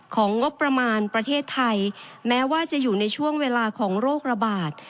ของงบประมาณประเทศไทยแม้ว่าจะอยู่ในช่วงเวลาของโรคระบาด